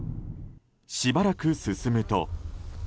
しばらく進むと。